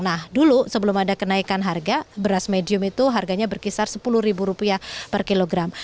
nah dulu sebelum ada kenaikan harga beras medium itu harganya berkisar sepuluh rupiah per kilogram